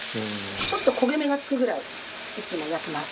ちょっと焦げ目がつくぐらいいつも焼きます。